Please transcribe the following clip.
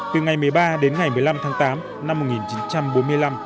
từ ngày một mươi ba đến ngày một mươi năm tháng tám năm một nghìn chín trăm bốn mươi năm